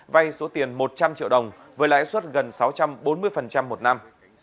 vay số tiền một trăm linh triệu đồng với lãi suất gần sáu trăm bốn mươi một năm